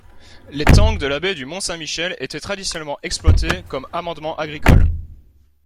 Les tangues de la baie du mont Saint-Michel étaient traditionnellement exploitées comme amendement agricole.